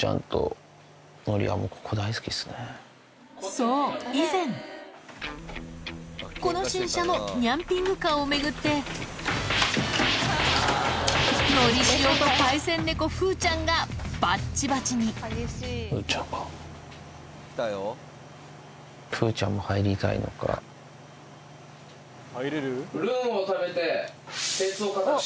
そう以前この新車のニャンピングカーを巡ってのりしおとパイセン猫風ちゃんがバッチバチに入れる？